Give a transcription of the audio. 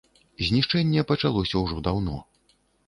Знішчэнне пачалося ўжо даўно.